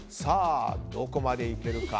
どこまでいけるか。